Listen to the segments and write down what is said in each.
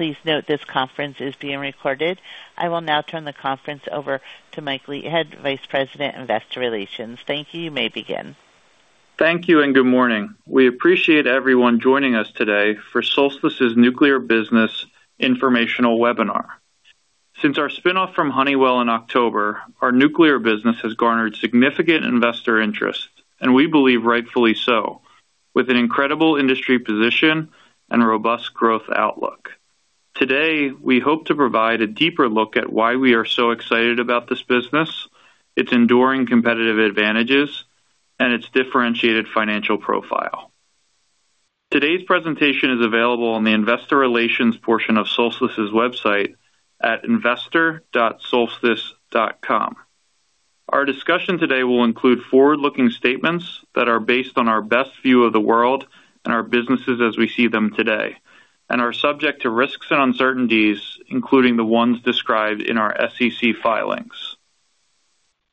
Please note this conference is being recorded. I will now turn the conference over to Mike Leithead, Vice President, Investor Relations. Thank you. You may begin. Thank you and good morning. We appreciate everyone joining us today for Solstice's Nuclear Business Informational Webinar. Since our spin-off from Honeywell in October, our nuclear business has garnered significant investor interest. We believe rightfully so, with an incredible industry position and a robust growth outlook. Today, we hope to provide a deeper look at why we are so excited about this business, its enduring competitive advantages, and its differentiated financial profile. Today's presentation is available on the Investor Relations portion of Solstice's website at investor.solstice.com. Our discussion today will include forward-looking statements that are based on our best view of the world and our businesses as we see them today, and are subject to risks and uncertainties, including the ones described in our SEC filings.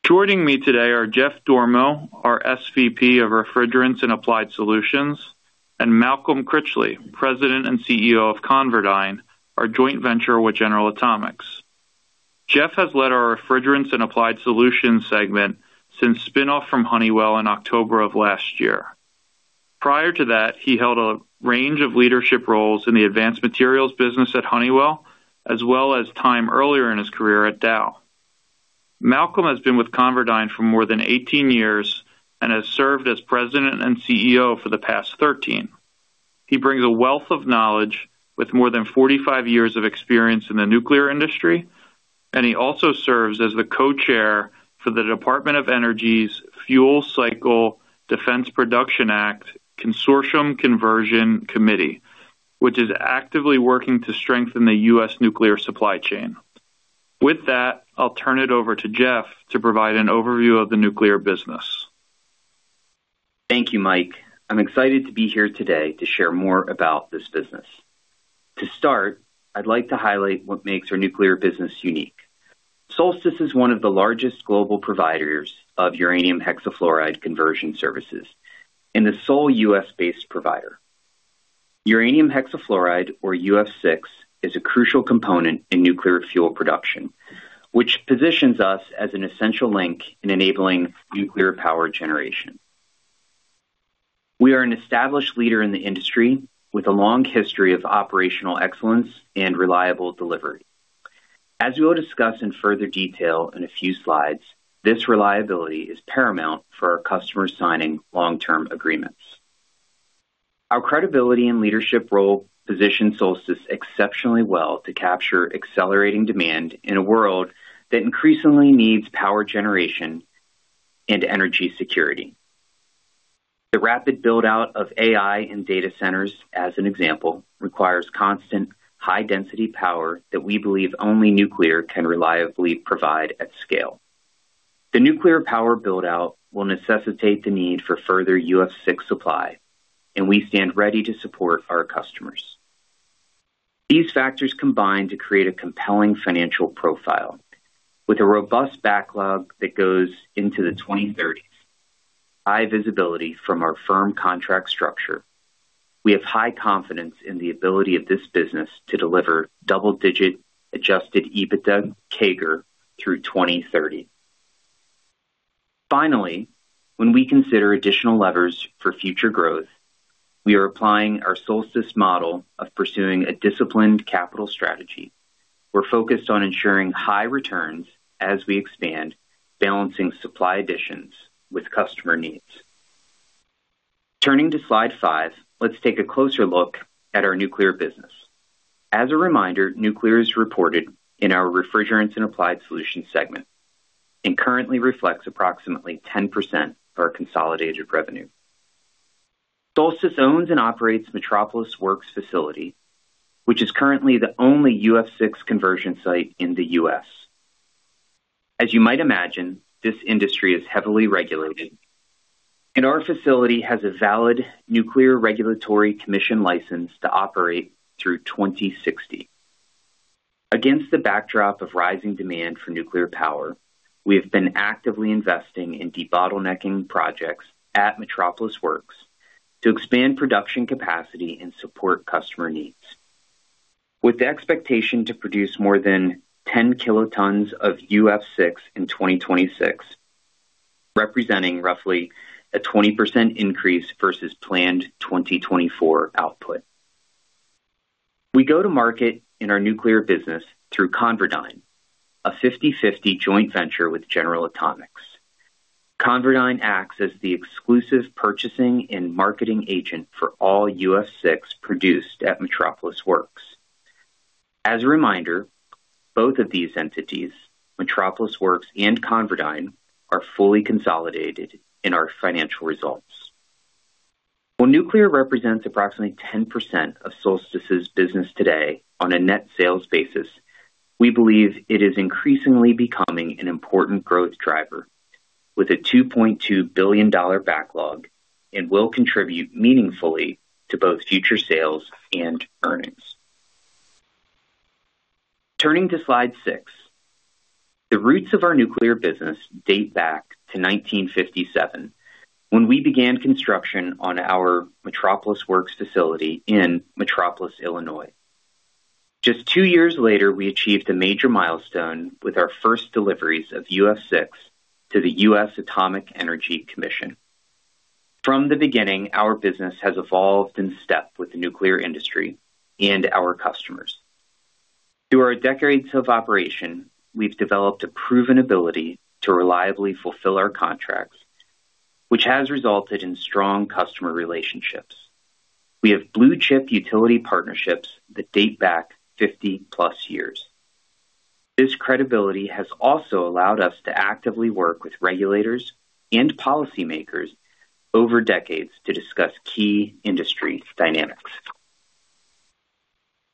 Joining me today are Jeff Dormo, our SVP of Refrigerants and Applied Solutions, and Malcolm Critchley, President and CEO of ConverDyn, our joint venture with General Atomics. Jeff has led our Refrigerants and Applied Solutions segment since spin-off from Honeywell in October of last year. Prior to that, he held a range of leadership roles in the advanced materials business at Honeywell, as well as time earlier in his career at Dow. Malcolm has been with ConverDyn for more than 18 years and has served as President and CEO for the past 13. He brings a wealth of knowledge with more than 45 years of experience in the nuclear industry, and he also serves as the Co-Chair for the Department of Energy's Fuel Cycle Defense Production Act Consortium Conversion Committee, which is actively working to strengthen the U.S. nuclear supply chain. With that, I'll turn it over to Jeff to provide an overview of the nuclear business. Thank you, Mike. I'm excited to be here today to share more about this business. To start, I'd like to highlight what makes our nuclear business unique. Solstice is one of the largest global providers of uranium hexafluoride conversion services and the sole U.S.-based provider. Uranium hexafluoride or UF6, is a crucial component in nuclear fuel production, which positions us as an essential link in enabling nuclear power generation. We are an established leader in the industry with a long history of operational excellence and reliable delivery. As we will discuss in further detail in a few slides, this reliability is paramount for our customers signing long-term agreements. Our credibility and leadership role position Solstice exceptionally well to capture accelerating demand in a world that increasingly needs power generation and energy security. The rapid build-out of AI and data centers, as an example, requires constant high density power that we believe only nuclear can reliably provide at scale. The nuclear power build-out will necessitate the need for further UF6 supply. We stand ready to support our customers. These factors combine to create a compelling financial profile with a robust backlog that goes into the 2030s. High visibility from our firm contract structure. We have high confidence in the ability of this business to deliver double-digit adjusted EBITDA CAGR through 2030. Finally, when we consider additional levers for future growth, we are applying our Solstice model of pursuing a disciplined capital strategy. We're focused on ensuring high returns as we expand, balancing supply additions with customer needs. Turning to slide five, let's take a closer look at our nuclear business. As a reminder, nuclear is reported in our Refrigerants and Applied Solutions segment and currently reflects approximately 10% of our consolidated revenue. Solstice owns and operates Metropolis Works facility, which is currently the only UF6 conversion site in the U.S. As you might imagine, this industry is heavily regulated, and our facility has a valid Nuclear Regulatory Commission license to operate through 2060. Against the backdrop of rising demand for nuclear power, we have been actively investing in debottlenecking projects at Metropolis Works to expand production capacity and support customer needs. With the expectation to produce more than 10 kt of UF6 in 2026, representing roughly a 20% increase versus planned 2024 output. We go to market in our nuclear business through ConverDyn, a 50/50 joint venture with General Atomics. ConverDyn acts as the exclusive purchasing and marketing agent for all UF6 produced at Metropolis Works. As a reminder, both of these entities, Metropolis Works and ConverDyn, are fully consolidated in our financial results. While nuclear represents approximately 10% of Solstice's business today on a net sales basis, we believe it is increasingly becoming an important growth driver with a $2.2 billion backlog and will contribute meaningfully to both future sales and earnings. Turning to slide six, the roots of our nuclear business date back to 1957, when we began construction on our Metropolis Works facility in Metropolis, Illinois. Just two years later, we achieved a major milestone with our first deliveries of UF6 to the U.S. Atomic Energy Commission. From the beginning, our business has evolved in step with the nuclear industry and our customers. Through our decades of operation, we've developed a proven ability to reliably fulfill our contracts, which has resulted in strong customer relationships. We have blue-chip utility partnerships that date back 50+ years. This credibility has also allowed us to actively work with regulators and policymakers over decades to discuss key industry dynamics.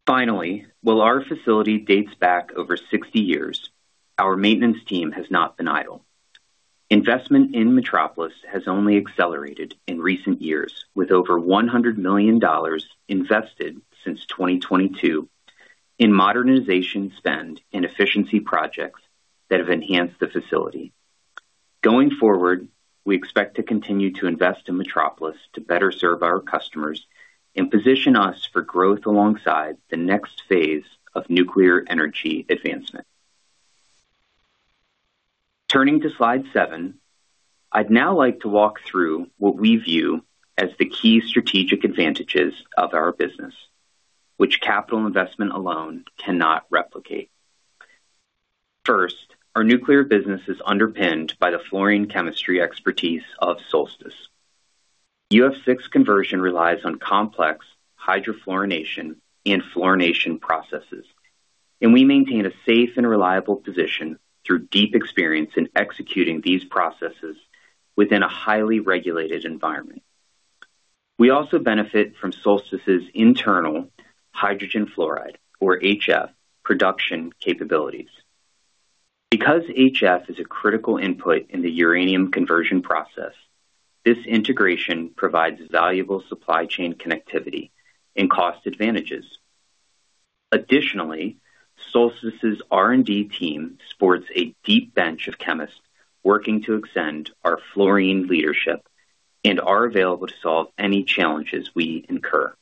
Finally, while our facility dates back over 60 years, our maintenance team has not been idle. Investment in Metropolis has only accelerated in recent years, with over $100 million invested since 2022 in modernization spend and efficiency projects that have enhanced the facility. Going forward, we expect to continue to invest in Metropolis to better serve our customers and position us for growth alongside the next phase of nuclear energy advancement. Turning to slide seven, I'd now like to walk through what we view as the key strategic advantages of our business, which capital investment alone cannot replicate. First, our nuclear business is underpinned by the fluorine chemistry expertise of Solstice. UF6 conversion relies on complex hydrofluorination and fluorination processes, we maintain a safe and reliable position through deep experience in executing these processes within a highly regulated environment. We also benefit from Solstice's internal hydrogen fluoride or HF, production capabilities. Because HF is a critical input in the uranium conversion process, this integration provides valuable supply chain connectivity and cost advantages. Additionally, Solstice's R&D team sports a deep bench of chemists working to extend our fluorine leadership and are available to solve any challenges we incur.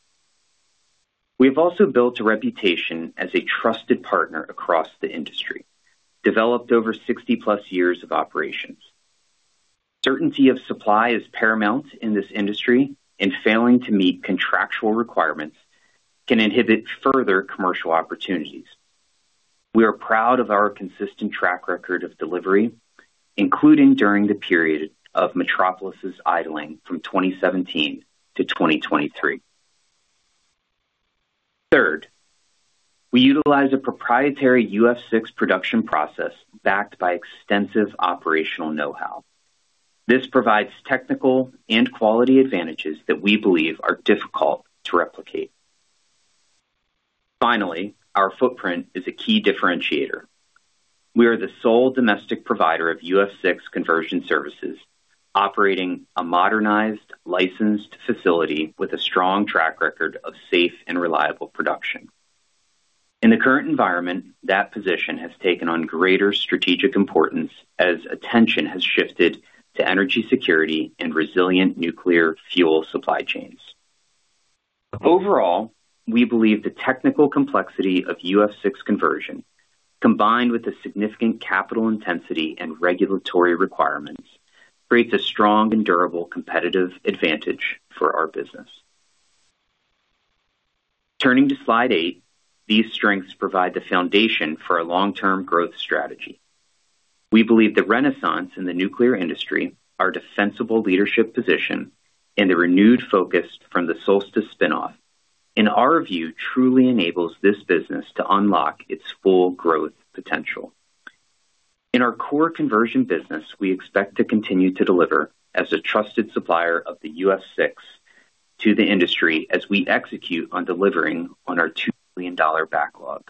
We have also built a reputation as a trusted partner across the industry, developed over 60+ years of operations. Certainty of supply is paramount in this industry, failing to meet contractual requirements can inhibit further commercial opportunities. We are proud of our consistent track record of delivery, including during the period of Metropolis' idling from 2017 to 2023. Third, we utilize a proprietary UF6 production process backed by extensive operational know-how. This provides technical and quality advantages that we believe are difficult to replicate. Finally, our footprint is a key differentiator. We are the sole domestic provider of UF6 conversion services, operating a modernized, licensed facility with a strong track record of safe and reliable production. In the current environment, that position has taken on greater strategic importance as attention has shifted to energy security and resilient nuclear fuel supply chains. Overall, we believe the technical complexity of UF6 conversion, combined with the significant capital intensity and regulatory requirements, creates a strong and durable competitive advantage for our business. Turning to slide eight, these strengths provide the foundation for our long-term growth strategy. We believe the renaissance in the nuclear industry, our defensible leadership position, and the renewed focus from the Solstice spin-off, in our view, truly enables this business to unlock its full growth potential. In our core conversion business, we expect to continue to deliver as a trusted supplier of the UF6 to the industry as we execute on delivering on our $2.2 million backlog.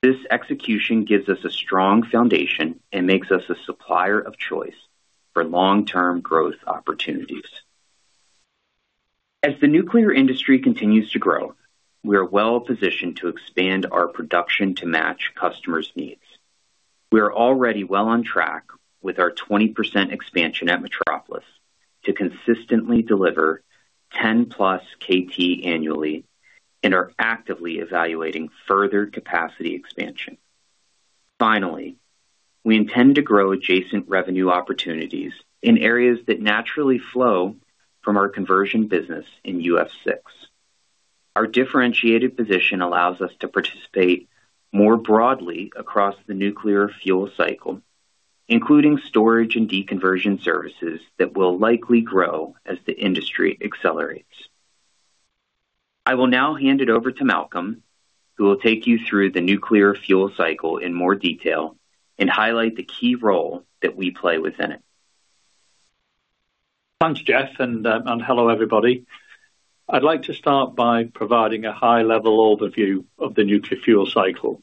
This execution gives us a strong foundation and makes us a supplier of choice for long-term growth opportunities. As the nuclear industry continues to grow, we are well positioned to expand our production to match customers' needs. We are already well on track with our 20% expansion at Metropolis to consistently deliver 10+ kt annually and are actively evaluating further capacity expansion. Finally, we intend to grow adjacent revenue opportunities in areas that naturally flow from our conversion business in UF6. Our differentiated position allows us to participate more broadly across the nuclear fuel cycle, including storage and deconversion services that will likely grow as the industry accelerates. I will now hand it over to Malcolm, who will take you through the nuclear fuel cycle in more detail and highlight the key role that we play within it. Thanks, Jeff. Hello, everybody. I'd like to start by providing a high-level overview of the nuclear fuel cycle,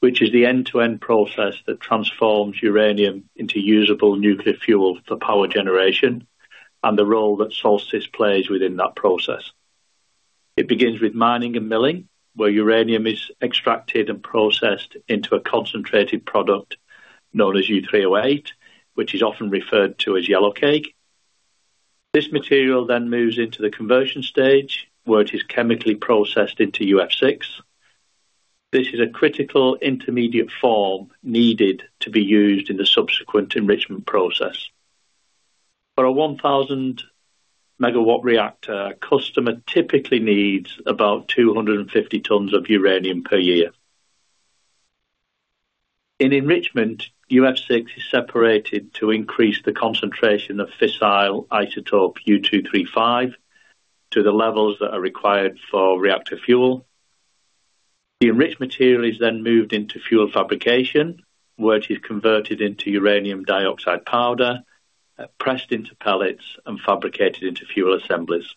which is the end-to-end process that transforms uranium into usable nuclear fuel for power generation. The role that Solstice plays within that process. It begins with mining and milling, where uranium is extracted and processed into a concentrated product known as U3O8, which is often referred to as yellowcake. This material moves into the conversion stage, where it is chemically processed into UF6. This is a critical intermediate form needed to be used in the subsequent enrichment process. For a 1,000 MW reactor, a customer typically needs about 250 tons of uranium per year. In enrichment, UF6 is separated to increase the concentration of fissile isotope U-235 to the levels that are required for reactor fuel. The enriched material is moved into fuel fabrication, where it is converted into uranium dioxide powder, pressed into pellets, and fabricated into fuel assemblies.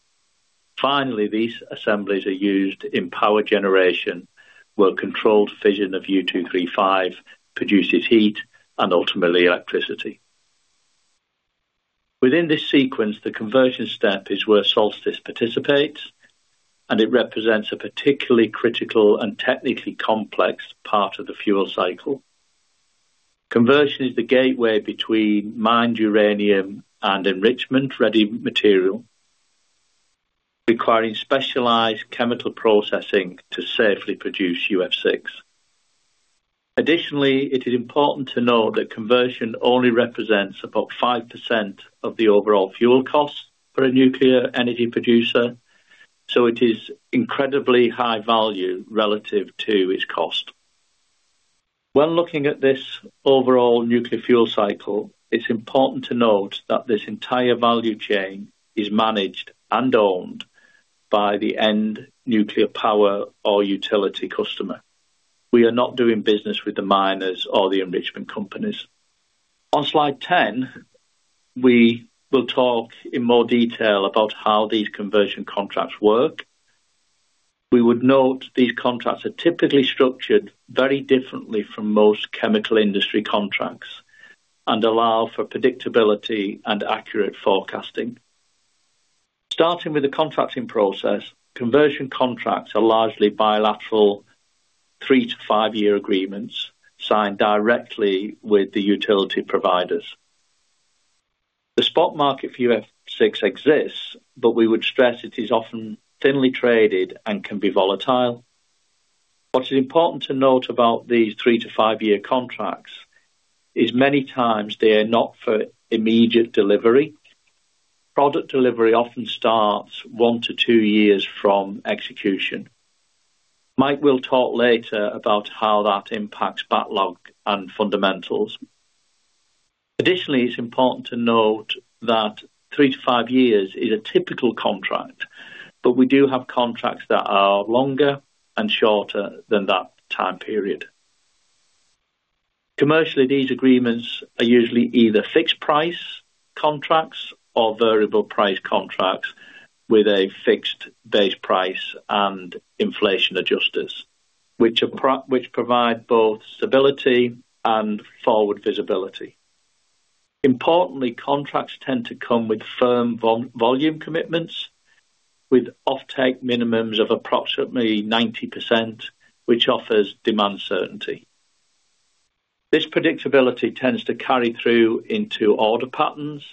These assemblies are used in power generation, where controlled fission of U-235 produces heat and ultimately electricity. Within this sequence, the conversion step is where Solstice participates, and it represents a particularly critical and technically complex part of the fuel cycle. Conversion is the gateway between mined uranium and enrichment-ready material, requiring specialized chemical processing to safely produce UF6. It is important to note that conversion only represents about 5% of the overall fuel cost for a nuclear energy producer, so it is incredibly high value relative to its cost. When looking at this overall nuclear fuel cycle, it's important to note that this entire value chain is managed and owned by the end nuclear power or utility customer. We are not doing business with the miners or the enrichment companies. On slide 10, we will talk in more detail about how these conversion contracts work. We would note these contracts are typically structured very differently from most chemical industry contracts and allow for predictability and accurate forecasting. Starting with the contracting process, conversion contracts are largely bilateral three to five year agreements signed directly with the utility providers. The spot market for UF6 exists, but we would stress it is often thinly traded and can be volatile. What is important to note about these three to five year contracts is many times they are not for immediate delivery. Product delivery often starts one to two years from execution. Mike will talk later about how that impacts backlog and fundamentals. Additionally, it's important to note that three to five years is a typical contract, but we do have contracts that are longer and shorter than that time period. Commercially, these agreements are usually either fixed-price contracts or variable-price contracts with a fixed base price and inflation adjusters, which provide both stability and forward visibility. Importantly, contracts tend to come with firm volume commitments, with offtake minimums of approximately 90%, which offers demand certainty. This predictability tends to carry through into order patterns,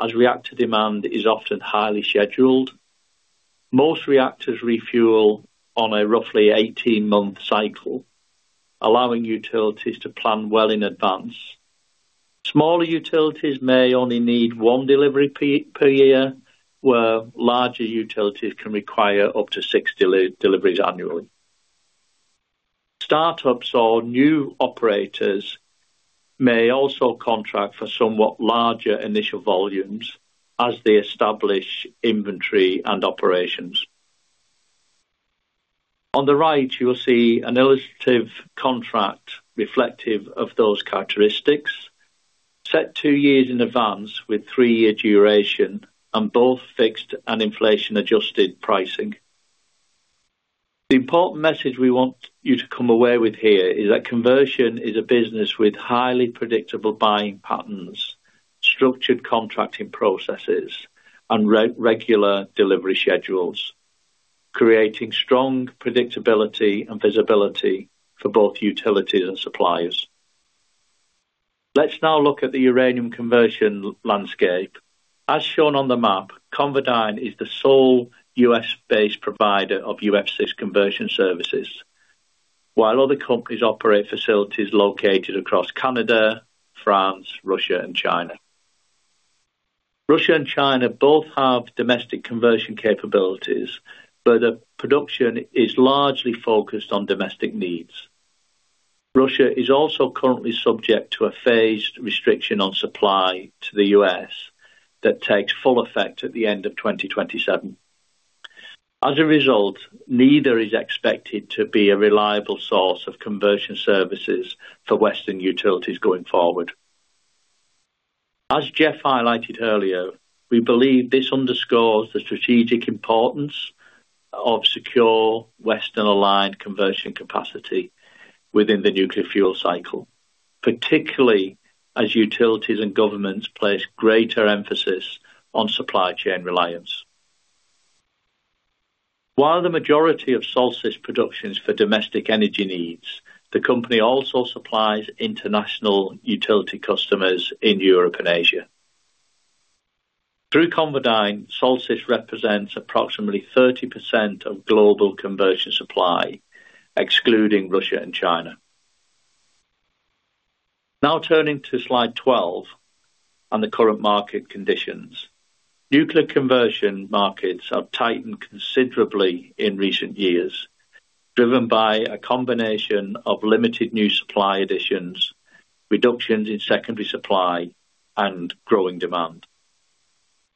as reactor demand is often highly scheduled. Most reactors refuel on a roughly 18 month cycle, allowing utilities to plan well in advance. Smaller utilities may only need one delivery per year, where larger utilities can require up to six deliveries annually. Startups or new operators may also contract for somewhat larger initial volumes as they establish inventory and operations. On the right, you will see an illustrative contract reflective of those characteristics, set two years in advance with three year duration and both fixed and inflation-adjusted pricing. The important message we want you to come away with here is that conversion is a business with highly predictable buying patterns, structured contracting processes, and regular delivery schedules, creating strong predictability and visibility for both utilities and suppliers. Let's now look at the uranium conversion landscape. As shown on the map, ConverDyn is the sole U.S.-based provider of UF6 conversion services, while other companies operate facilities located across Canada, France, Russia, and China. Russia and China both have domestic conversion capabilities, but their production is largely focused on domestic needs. Russia is also currently subject to a phased restriction on supply to the U.S. that takes full effect at the end of 2027. As a result, neither is expected to be a reliable source of conversion services for Western utilities going forward. As Jeff highlighted earlier, we believe this underscores the strategic importance of secure Western-aligned conversion capacity within the nuclear fuel cycle, particularly as utilities and governments place greater emphasis on supply chain reliance. While the majority of Solstice production is for domestic energy needs, the company also supplies international utility customers in Europe and Asia. Through ConverDyn, Solstice represents approximately 30% of global conversion supply, excluding Russia and China. Now turning to slide 12 on the current market conditions. Nuclear conversion markets have tightened considerably in recent years, driven by a combination of limited new supply additions, reductions in secondary supply, and growing demand.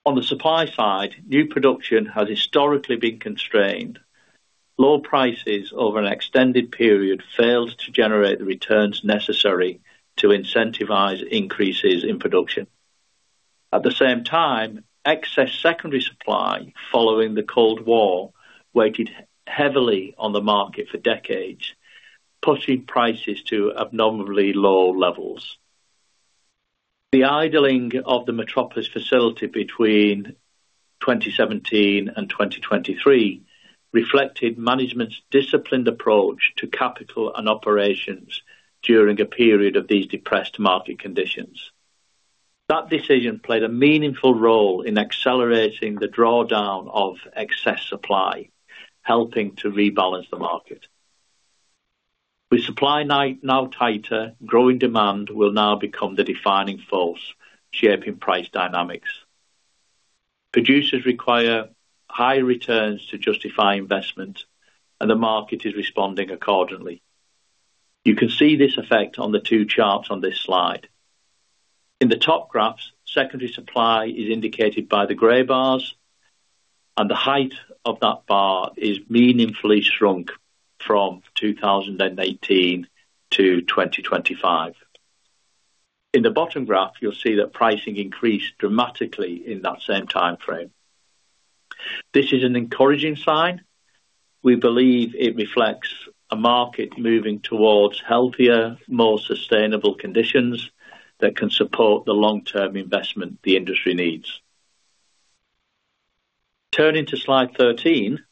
On the supply side, new production has historically been constrained. Low prices over an extended period failed to generate the returns necessary to incentivize increases in production. At the same time, excess secondary supply following the Cold War weighted heavily on the market for decades, pushing prices to abnormally low levels. The idling of the Metropolis facility between 2017 and 2023 reflected management's disciplined approach to capital and operations during a period of these depressed market conditions. That decision played a meaningful role in accelerating the drawdown of excess supply, helping to rebalance the market. With supply now tighter, growing demand will now become the defining force shaping price dynamics. Producers require high returns to justify investment, and the market is responding accordingly. You can see this effect on the two charts on this slide. In the top graphs, secondary supply is indicated by the gray bars, and the height of that bar is meaningfully shrunk from 2018 to 2025. In the bottom graph, you'll see that pricing increased dramatically in that same timeframe. This is an encouraging sign. We believe it reflects a market moving towards healthier, more sustainable conditions that can support the long-term investment the industry needs. Turning to slide 13.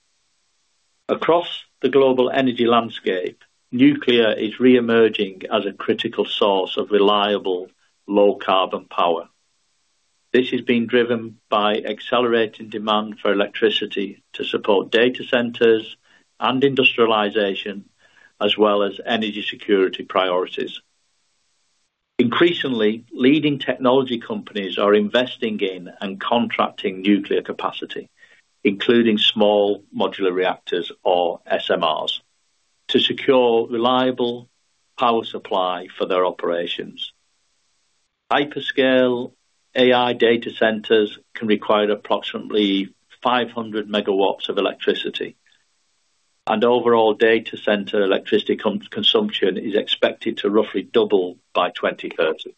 Across the global energy landscape, nuclear is reemerging as a critical source of reliable, low-carbon power. This is being driven by accelerating demand for electricity to support data centers and industrialization, as well as energy security priorities. Increasingly, leading technology companies are investing in and contracting nuclear capacity, including small modular reactors or SMRs, to secure reliable power supply for their operations. Hyperscale AI data centers can require approximately 500 MW of electricity, and overall data center electricity consumption is expected to roughly double by 2030.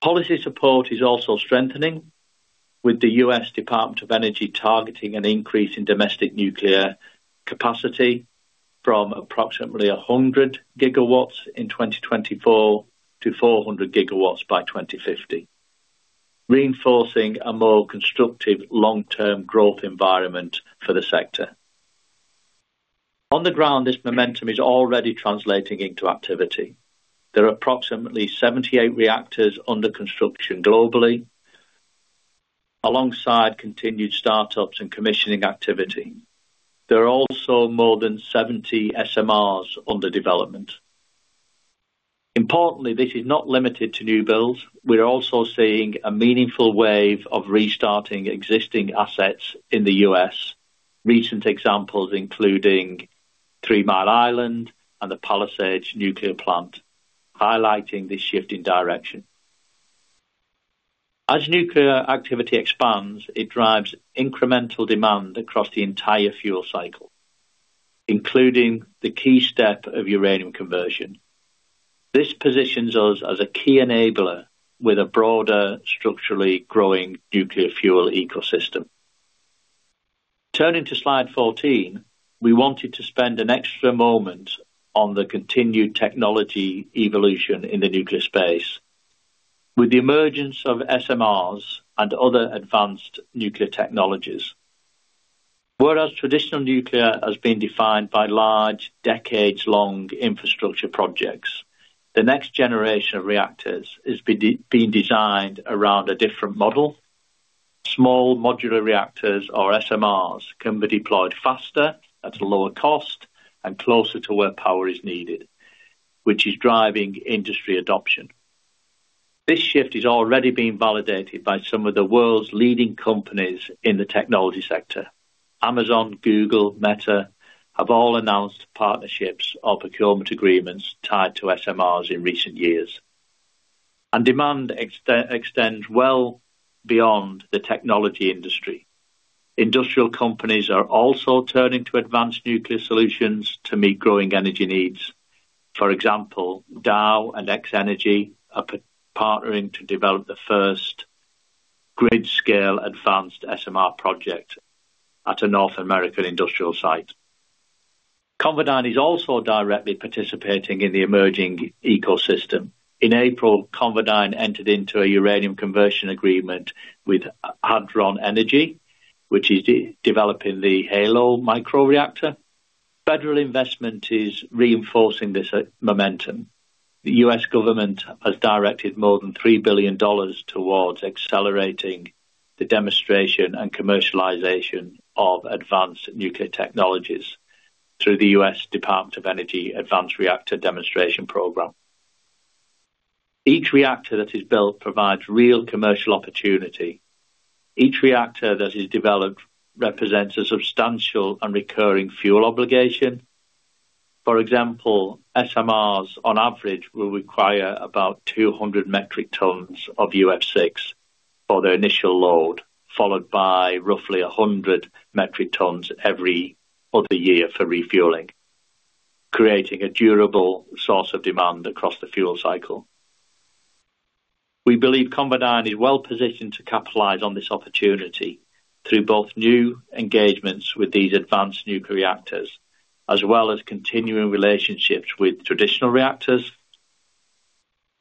Policy support is also strengthening with the U.S. Department of Energy targeting an increase in domestic nuclear capacity from approximately 100 GW in 2024 to 400 GW by 2050, reinforcing a more constructive long-term growth environment for the sector. On the ground, this momentum is already translating into activity. There are approximately 78 reactors under construction globally, alongside continued startups and commissioning activity. There are also more than 70 SMRs under development. Importantly, this is not limited to new builds. We're also seeing a meaningful wave of restarting existing assets in the U.S. Recent examples including Three Mile Island and the Palisades Nuclear Plant, highlighting this shift in direction. As nuclear activity expands, it drives incremental demand across the entire fuel cycle, including the key step of uranium conversion. This positions us as a key enabler with a broader, structurally growing nuclear fuel ecosystem. Turning to slide 14, we wanted to spend an extra moment on the continued technology evolution in the nuclear space. With the emergence of SMRs and other advanced nuclear technologies, whereas traditional nuclear has been defined by large, decades-long infrastructure projects, the next generation of reactors is being designed around a different model. Small modular reactors or SMRs can be deployed faster, at a lower cost, and closer to where power is needed, which is driving industry adoption. This shift is already being validated by some of the world's leading companies in the technology sector. Amazon, Google, Meta have all announced partnerships or procurement agreements tied to SMRs in recent years. Demand extends well beyond the technology industry. Industrial companies are also turning to advanced nuclear solutions to meet growing energy needs. For example, Dow and X-energy are partnering to develop the first grid-scale advanced SMR project at a North American industrial site. ConverDyn is also directly participating in the emerging ecosystem. In April, ConverDyn entered into a uranium conversion agreement with Hadron Energy, which is developing the Halo microreactor. Federal investment is reinforcing this momentum. The U.S. government has directed more than $3 billion towards accelerating the demonstration and commercialization of advanced nuclear technologies through the U.S. Department of Energy Advanced Reactor Demonstration Program. Each reactor that is built provides real commercial opportunity. Each reactor that is developed represents a substantial and recurring fuel obligation. For example, SMRs on average, will require about 200 metric tons of UF6 for their initial load, followed by roughly 100 metric tons every other year for refueling, creating a durable source of demand across the fuel cycle. We believe ConverDyn is well-positioned to capitalize on this opportunity through both new engagements with these advanced nuclear reactors, as well as continuing relationships with traditional reactors.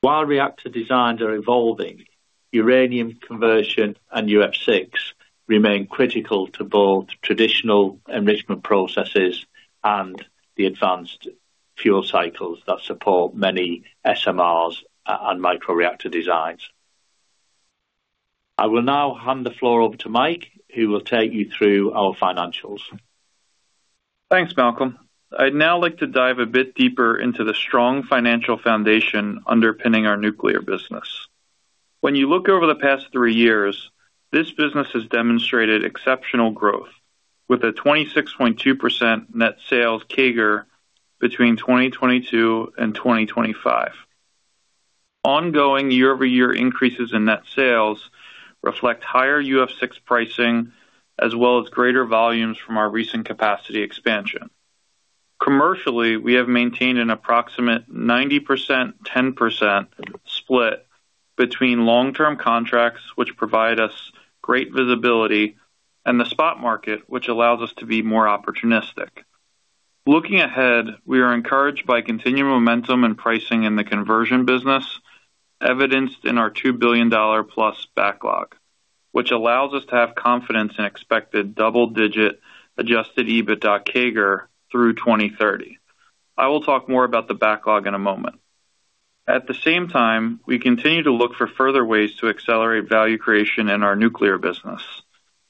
While reactor designs are evolving, uranium conversion and UF6 remain critical to both traditional enrichment processes and the advanced fuel cycles that support many SMRs and microreactor designs. I will now hand the floor over to Mike, who will take you through our financials. Thanks, Malcolm. I'd now like to dive a bit deeper into the strong financial foundation underpinning our nuclear business. When you look over the past three years, this business has demonstrated exceptional growth, with a 26.2% net sales CAGR between 2022 and 2025. Ongoing year-over-year increases in net sales reflect higher UF6 pricing, as well as greater volumes from our recent capacity expansion. Commercially, we have maintained an approximate 90%, 10% split between long-term contracts, which provide us great visibility, and the spot market, which allows us to be more opportunistic. Looking ahead, we are encouraged by continuing momentum and pricing in the conversion business, evidenced in our $2 billion+ backlog, which allows us to have confidence in expected double-digit adjusted EBITDA CAGR through 2030. I will talk more about the backlog in a moment. At the same time, we continue to look for further ways to accelerate value creation in our nuclear business,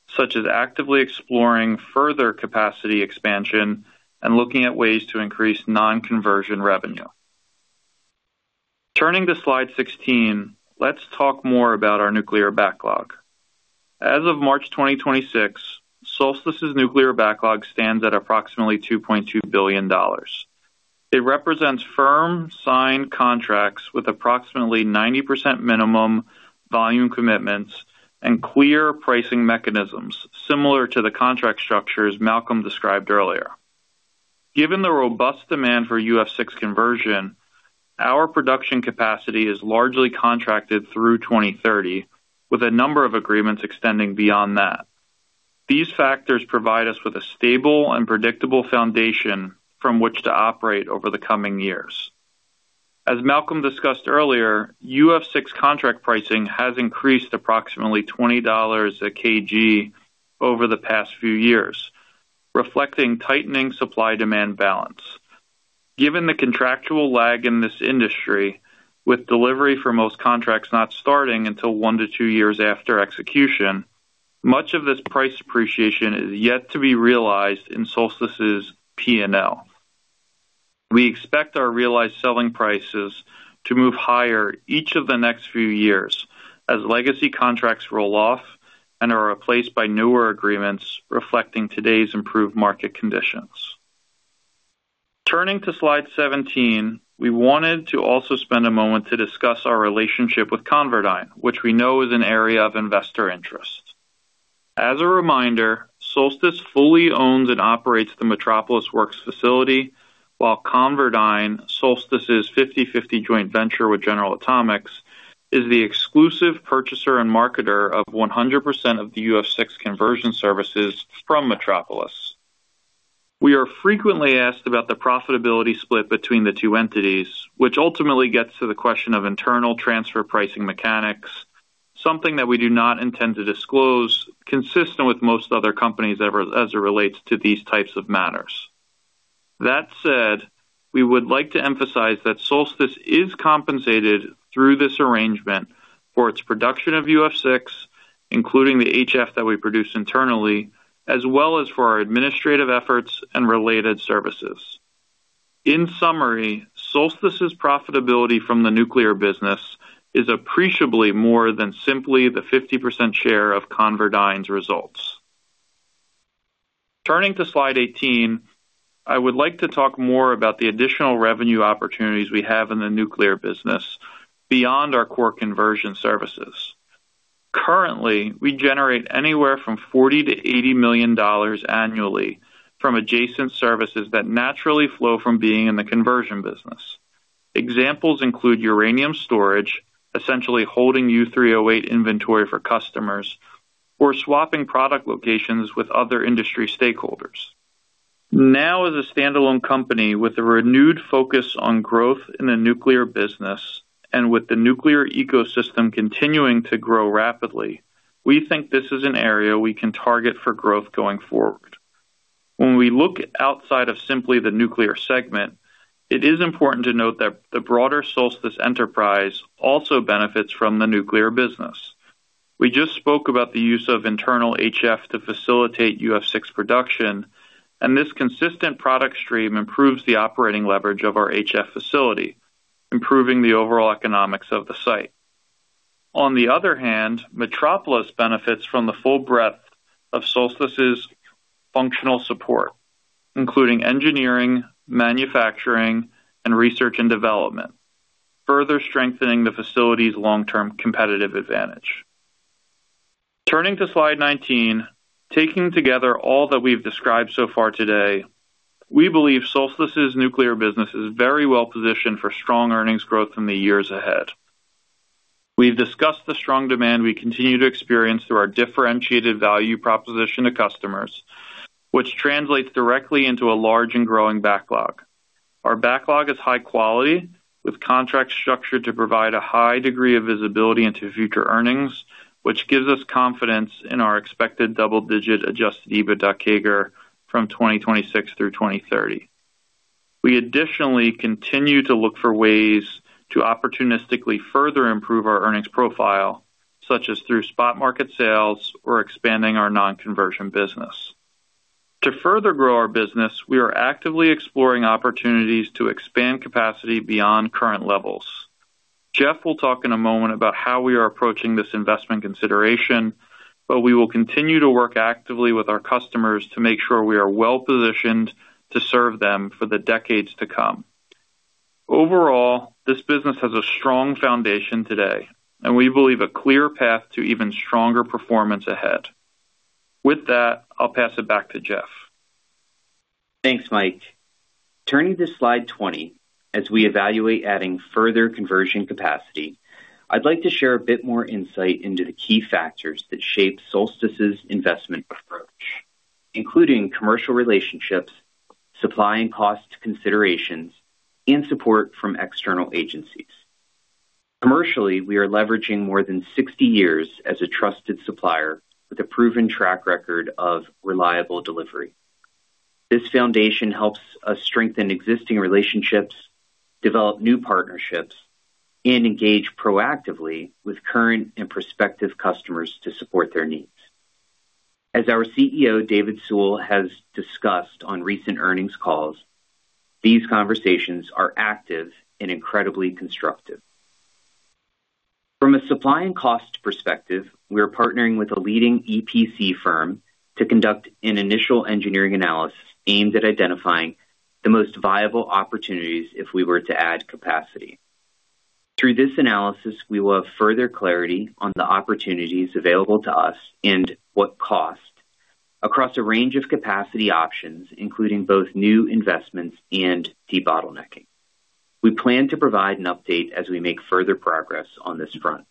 such as actively exploring further capacity expansion and looking at ways to increase non-conversion revenue. Turning to slide 16, let's talk more about our nuclear backlog. As of March 2026, Solstice's nuclear backlog stands at approximately $2.2 billion. It represents firm signed contracts with approximately 90% minimum volume commitments and clear pricing mechanisms, similar to the contract structures Malcolm described earlier. Given the robust demand for UF6 conversion, our production capacity is largely contracted through 2030, with a number of agreements extending beyond that. These factors provide us with a stable and predictable foundation from which to operate over the coming years. As Malcolm discussed earlier, UF6 contract pricing has increased approximately $20/kg over the past few years, reflecting tightening supply-demand balance. Given the contractual lag in this industry, with delivery for most contracts not starting until one to two years after execution, much of this price appreciation is yet to be realized in Solstice's P&L. We expect our realized selling prices to move higher each of the next few years as legacy contracts roll off and are replaced by newer agreements reflecting today's improved market conditions. Turning to slide 17, we wanted to also spend a moment to discuss our relationship with ConverDyn, which we know is an area of investor interest. As a reminder, Solstice fully owns and operates the Metropolis Works facility, while ConverDyn, Solstice's 50/50 joint venture with General Atomics, is the exclusive purchaser and marketer of 100% of the UF6 conversion services from Metropolis. We are frequently asked about the profitability split between the two entities, which ultimately gets to the question of internal transfer pricing mechanics, something that we do not intend to disclose, consistent with most other companies as it relates to these types of matters. That said, we would like to emphasize that Solstice is compensated through this arrangement for its production of UF6, including the HF that we produce internally, as well as for our administrative efforts and related services. In summary, Solstice's profitability from the nuclear business is appreciably more than simply the 50% share of ConverDyn's results. Turning to slide 18, I would like to talk more about the additional revenue opportunities we have in the nuclear business beyond our core conversion services. Currently, we generate anywhere from $40 million-$80 million annually from adjacent services that naturally flow from being in the conversion business. Examples include uranium storage, essentially holding U3O8 inventory for customers or swapping product locations with other industry stakeholders. Now, as a standalone company with a renewed focus on growth in the nuclear business and with the nuclear ecosystem continuing to grow rapidly, we think this is an area we can target for growth going forward. When we look outside of simply the nuclear segment, it is important to note that the broader Solstice enterprise also benefits from the nuclear business. We just spoke about the use of internal HF to facilitate UF6 production, and this consistent product stream improves the operating leverage of our HF facility, improving the overall economics of the site. On the other hand, Metropolis benefits from the full breadth of Solstice's functional support, including engineering, manufacturing, and research and development, further strengthening the facility's long-term competitive advantage. Turning to slide 19, taking together all that we've described so far today, we believe Solstice's nuclear business is very well-positioned for strong earnings growth in the years ahead. We've discussed the strong demand we continue to experience through our differentiated value proposition to customers, which translates directly into a large and growing backlog. Our backlog is high quality, with contracts structured to provide a high degree of visibility into future earnings, which gives us confidence in our expected double-digit adjusted EBITDA CAGR from 2026 through 2030. We additionally continue to look for ways to opportunistically further improve our earnings profile, such as through spot market sales or expanding our non-conversion business. To further grow our business, we are actively exploring opportunities to expand capacity beyond current levels. Jeff will talk in a moment about how we are approaching this investment consideration. We will continue to work actively with our customers to make sure we are well-positioned to serve them for the decades to come. Overall, this business has a strong foundation today. We believe a clear path to even stronger performance ahead. With that, I'll pass it back to Jeff. Thanks, Mike. Turning to slide 20, as we evaluate adding further conversion capacity, I'd like to share a bit more insight into the key factors that shape Solstice's investment approach, including commercial relationships, supply and cost considerations, and support from external agencies. Commercially, we are leveraging more than 60 years as a trusted supplier with a proven track record of reliable delivery. This foundation helps us strengthen existing relationships, develop new partnerships, and engage proactively with current and prospective customers to support their needs. As our CEO, David Sewell, has discussed on recent earnings calls, these conversations are active and incredibly constructive. From a supply and cost perspective, we are partnering with a leading EPC firm to conduct an initial engineering analysis aimed at identifying the most viable opportunities if we were to add capacity. Through this analysis, we will have further clarity on the opportunities available to us and what cost across a range of capacity options, including both new investments and debottlenecking. We plan to provide an update as we make further progress on this front.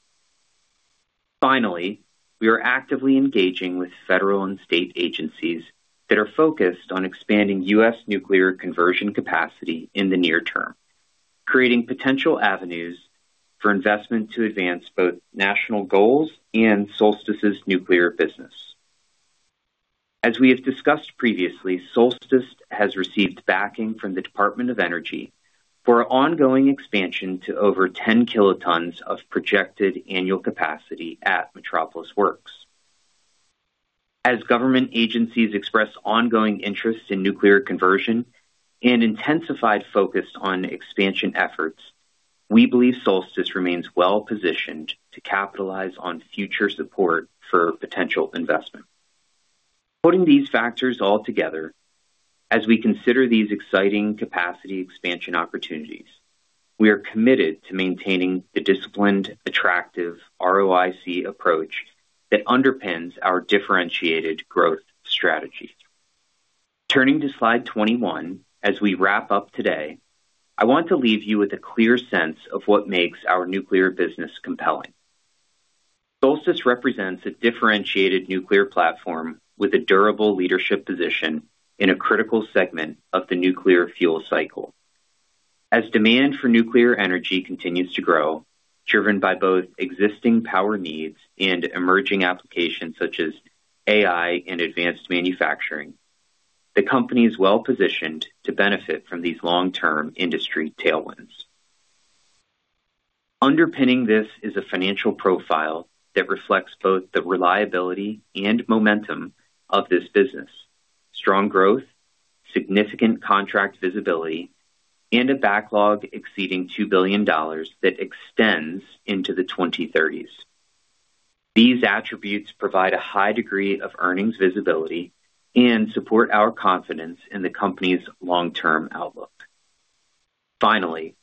Finally, we are actively engaging with federal and state agencies that are focused on expanding U.S. nuclear conversion capacity in the near term, creating potential avenues for investment to advance both national goals and Solstice's nuclear business. As we have discussed previously, Solstice has received backing from the Department of Energy for ongoing expansion to over 10 kt of projected annual capacity at Metropolis Works. As government agencies express ongoing interest in nuclear conversion and intensified focus on expansion efforts, we believe Solstice remains well-positioned to capitalize on future support for potential investment. Putting these factors all together, as we consider these exciting capacity expansion opportunities, we are committed to maintaining the disciplined, attractive ROIC approach that underpins our differentiated growth strategy. Turning to slide 21, as we wrap up today, I want to leave you with a clear sense of what makes our nuclear business compelling. Solstice represents a differentiated nuclear platform with a durable leadership position in a critical segment of the nuclear fuel cycle. As demand for nuclear energy continues to grow, driven by both existing power needs and emerging applications such as AI and advanced manufacturing, the company is well-positioned to benefit from these long-term industry tailwinds. Underpinning this is a financial profile that reflects both the reliability and momentum of this business. Strong growth, significant contract visibility, and a backlog exceeding $2 billion that extends into the 2030s. These attributes provide a high degree of earnings visibility and support our confidence in the company's long-term outlook. Finally,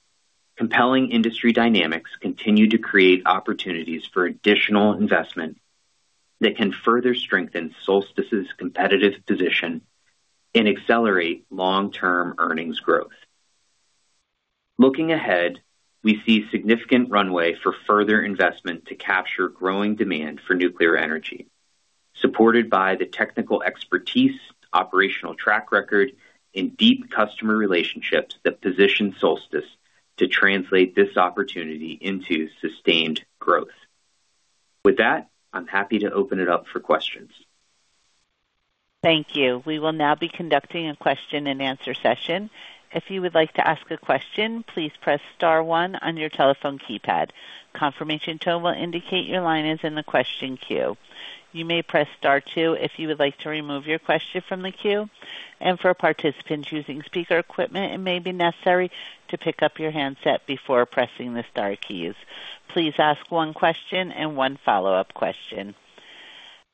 compelling industry dynamics continue to create opportunities for additional investment that can further strengthen Solstice's competitive position and accelerate long-term earnings growth. Looking ahead, we see significant runway for further investment to capture growing demand for nuclear energy, supported by the technical expertise, operational track record, and deep customer relationships that position Solstice to translate this opportunity into sustained growth. With that, I'm happy to open it up for questions. Thank you. We will now be conducting a question-and-answer session. If you would like to ask a question, please press star one on your telephone keypad. Confirmation tone will indicate your line is in the question queue. You may press star two if you would like to remove your question from the queue. For participants using speaker equipment, it may be necessary to pick up your handset before pressing the star keys. Please ask one question and one follow-up question.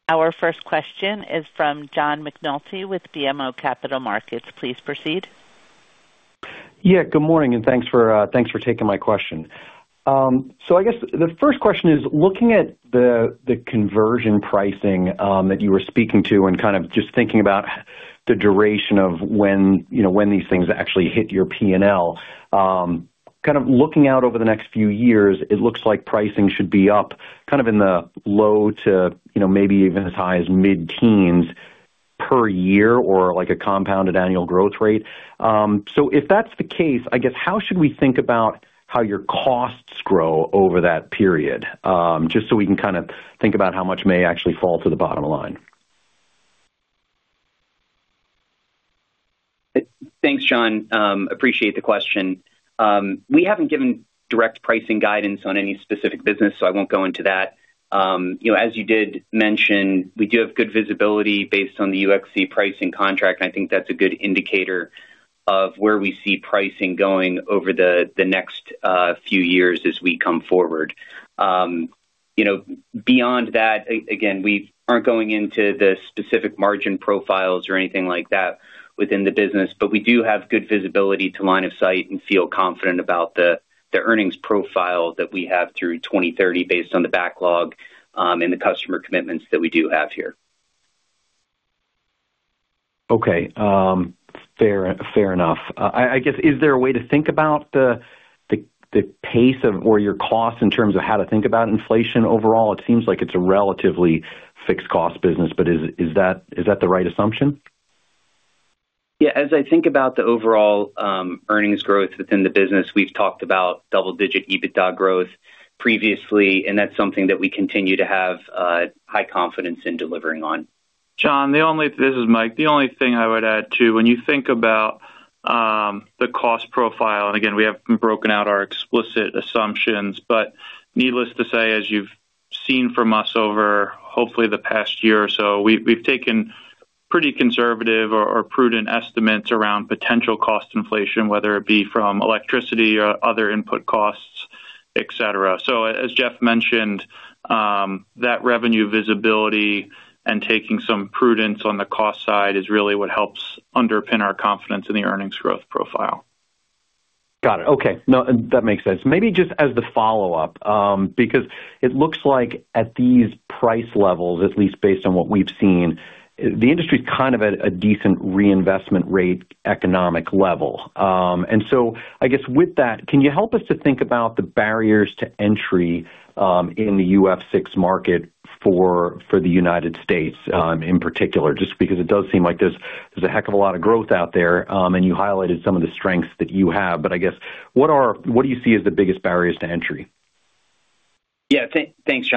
Our first question is from John McNulty with BMO Capital Markets. Please proceed. Yeah, good morning, thanks for taking my question. I guess the first question is, looking at the conversion pricing that you were speaking to and kind of just thinking about the duration of when these things actually hit your P&L. Kind of looking out over the next few years, it looks like pricing should be up, kind of in the low to maybe even as high as mid-teens per year or like a compounded annual growth rate. If that's the case, I guess, how should we think about how your costs grow over that period? Just so we can kind of think about how much may actually fall to the bottom line. Thanks, John. Appreciate the question. We haven't given direct pricing guidance on any specific business, so I won't go into that. As you did mention, we do have good visibility based on the UF6 pricing contract, and I think that's a good indicator of where we see pricing going over the next few years as we come forward. Beyond that, again, we aren't going into the specific margin profiles or anything like that within the business, but we do have good visibility to line of sight and feel confident about the earnings profile that we have through 2030 based on the backlog and the customer commitments that we do have here. Okay. Fair enough. I guess, is there a way to think about the pace of where your costs in terms of how to think about inflation overall? It seems like it's a relatively fixed cost business, but is that the right assumption? Yeah, as I think about the overall earnings growth within the business, we've talked about double-digit EBITDA growth previously. That's something that we continue to have high confidence in delivering on. John, this is Mike. The only thing I would add, too, when you think about the cost profile, and again, we have broken out our explicit assumptions, but needless to say, as you've seen from us over hopefully the past year or so, we've taken pretty conservative or prudent estimates around potential cost inflation, whether it be from electricity or other input costs, et cetera. As Jeff mentioned, that revenue visibility and taking some prudence on the cost side is really what helps underpin our confidence in the earnings growth profile. Got it. Okay. No, that makes sense. Maybe just as the follow-up, because it looks like at these price levels, at least based on what we've seen, the industry is kind of at a decent reinvestment rate economic level. I guess with that, can you help us to think about the barriers to entry in the UF6 market for the United States in particular? Just because it does seem like there's a heck of a lot of growth out there, and you highlighted some of the strengths that you have, but I guess, what do you see as the biggest barriers to entry? Yeah. Thanks,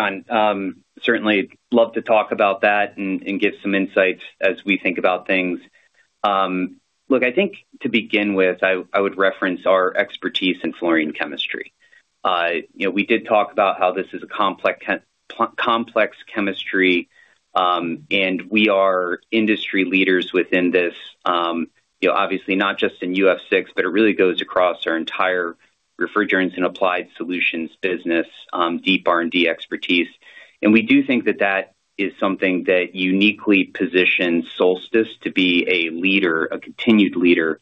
John. Love to talk about that and give some insights as we think about things. Look, I think to begin with, I would reference our expertise in fluorine chemistry. We did talk about how this is a complex chemistry, and we are industry leaders within this, obviously not just in UF6, but it really goes across our entire Refrigerants and Applied Solutions business, deep R&D expertise. We do think that that is something that uniquely positions Solstice to be a leader, a continued leader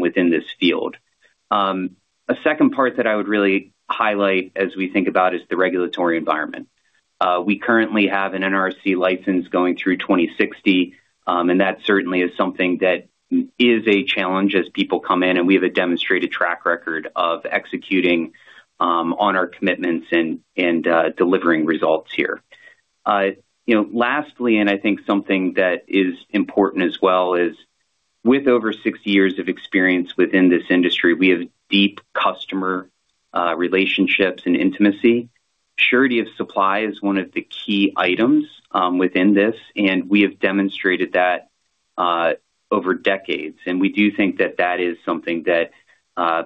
within this field. A second part that I would really highlight as we think about is the regulatory environment. We currently have an NRC license going through 2060, and that certainly is something that is a challenge as people come in, and we have a demonstrated track record of executing on our commitments and delivering results here. Lastly and I think something that is important as well is, with over 60 years of experience within this industry, we have deep customer relationships and intimacy. Surety of supply is one of the key items within this, and we have demonstrated that over decades, and we do think that that is something that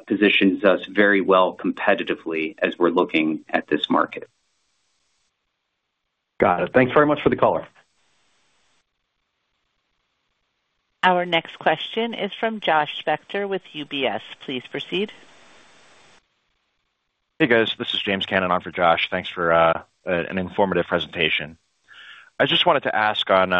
positions us very well competitively as we're looking at this market. Got it. Thank you very much for the color. Our next question is from Josh Spector with UBS. Please proceed. Hey guys, this is James Cannon on for Josh. Thanks for an informative presentation. I just wanted to ask on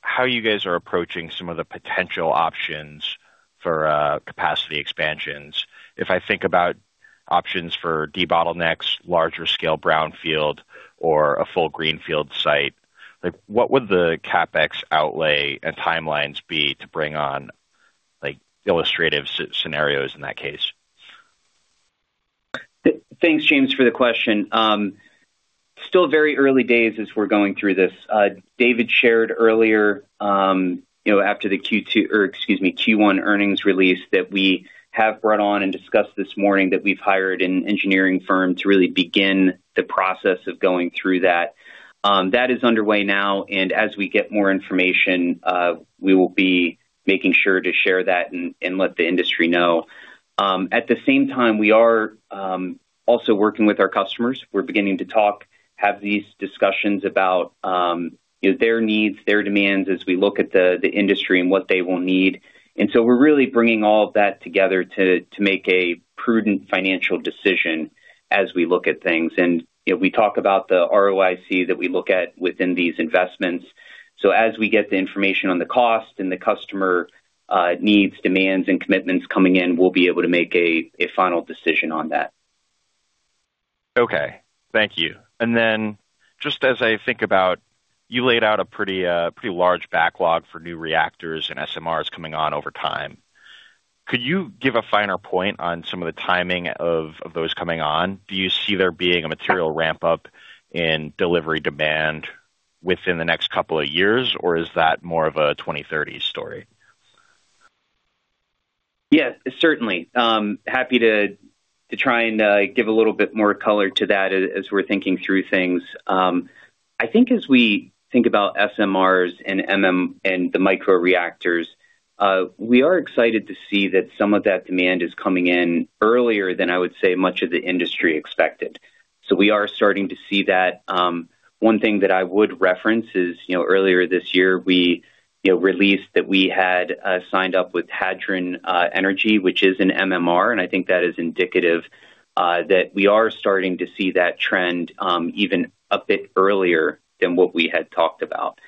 how you guys are approaching some of the potential options for capacity expansions. If I think about options for debottlenecks, larger scale brownfield or a full greenfield site, what would the CapEx outlay and timelines be to bring on illustrative scenarios in that case? Thanks, James, for the question. Still very early days as we're going through this. David shared earlier, after the Q1 earnings release, that we have brought on and discussed this morning that we've hired an engineering firm to really begin the process of going through that. That is underway now, and as we get more information, we will be making sure to share that and let the industry know. At the same time, we are also working with our customers. We're beginning to talk, have these discussions about their needs, their demands as we look at the industry and what they will need. We're really bringing all of that together to make a prudent financial decision as we look at things. We talk about the ROIC that we look at within these investments. As we get the information on the cost and the customer needs, demands, and commitments coming in, we'll be able to make a final decision on that. Okay. Thank you. Just as I think about, you laid out a pretty large backlog for new reactors and SMRs coming on over time. Could you give a finer point on some of the timing of those coming on? Do you see there being a material ramp-up in delivery demand within the next couple of years or is that more of a 2030 story? Yes, certainly. Happy to try and give a little bit more color to that as we're thinking through things. As we think about SMRs and the microreactors, we are excited to see that some of that demand is coming in earlier than I would say much of the industry expected. We are starting to see that. One thing that I would reference is, earlier this year, we released that we had signed up with Hadron Energy, which is an MMR, that is indicative that we are starting to see that trend even a bit earlier than what we had talked about.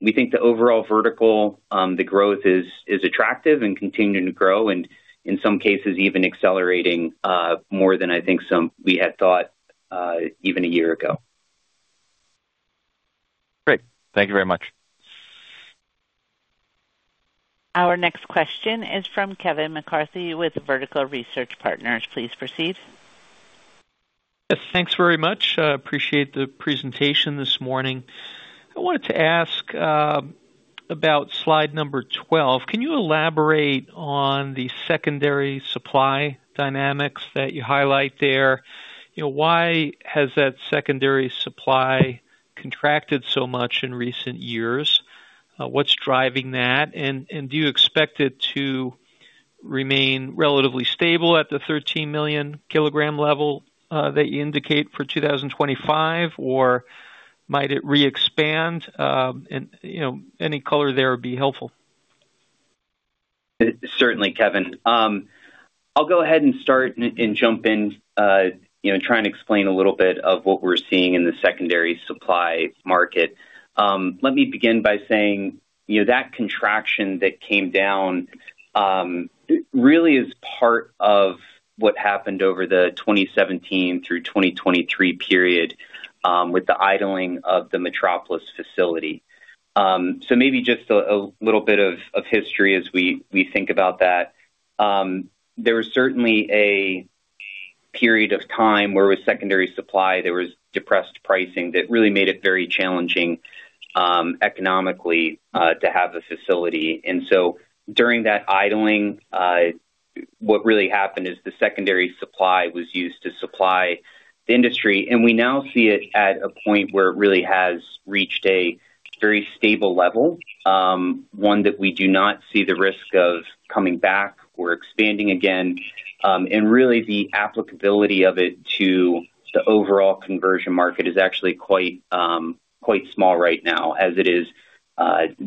We think the overall vertical, the growth is attractive and continuing to grow, and in some cases, even accelerating more than we had thought, even a year ago. Great. Thank you very much. Our next question is from Kevin McCarthy with Vertical Research Partners. Please proceed. Yes, thanks very much. Appreciate the presentation this morning. I wanted to ask about slide number 12. Can you elaborate on the secondary supply dynamics that you highlight there? Why has that secondary supply contracted so much in recent years? What's driving that? Do you expect it to remain relatively stable at the 13 million kilogram level that you indicate for 2025 or might it re-expand? Any color there would be helpful. Certainly, Kevin. I'll go ahead and start and jump in, try and explain a little bit of what we're seeing in the secondary supply market. Let me begin by saying, that contraction that came down really is part of what happened over the 2017 through 2023 period with the idling of the Metropolis facility. Maybe just a little bit of history as we think about that. There was certainly a period of time where with secondary supply, there was depressed pricing that really made it very challenging economically to have the facility. During that idling, what really happened is the secondary supply was used to supply the industry, and we now see it at a point where it really has reached a very stable level, one that we do not see the risk of coming back or expanding again. Really the applicability of it to the overall conversion market is actually quite small right now as it is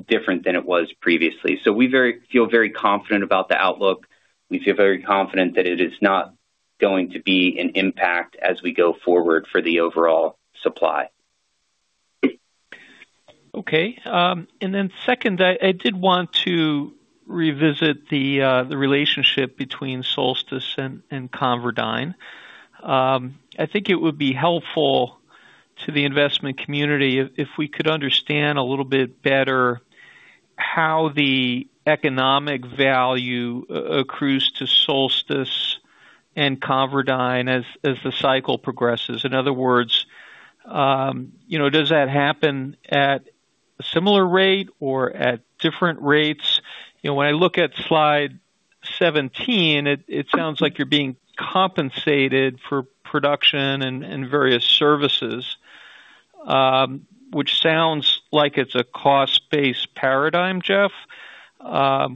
different than it was previously. We feel very confident about the outlook. We feel very confident that it is not going to be an impact as we go forward for the overall supply. Okay. Second, I did want to revisit the relationship between Solstice and ConverDyn. I think it would be helpful to the investment community if we could understand a little bit better how the economic value accrues to Solstice and ConverDyn as the cycle progresses. In other words, does that happen at a similar rate or at different rates? When I look at slide 17, it sounds like you're being compensated for production and various services, which sounds like it's a cost-based paradigm, Jeff.